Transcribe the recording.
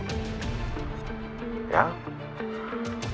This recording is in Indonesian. dan tambah rumit